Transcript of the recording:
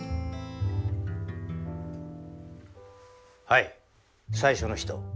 はい最初の人。